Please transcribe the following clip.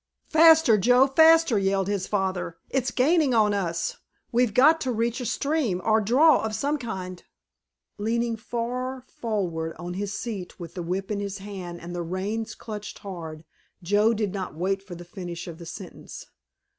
"Faster, Joe, faster!" yelled his father; "it's gaining on us, we've got to reach a stream or draw of some kind——" Leaning far forward on his seat with the whip in his hand and the reins clutched hard, Joe did not wait for the finish of the sentence.